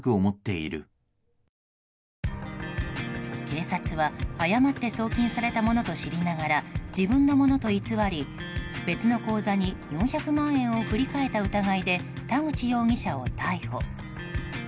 警察は、誤って送金されたものと知りながら自分のものと偽り、別の口座に４００万円を振り替えた疑いで田口容疑者を逮捕。